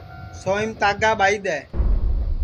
سوںئیم دھاگا ٻائی دؔین